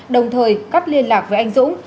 đồng thời cắt liên lạc với anh dũng